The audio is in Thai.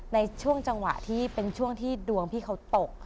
ในช่วงจังหวะที่เป็นช่วงที่ดวงพี่เขาตก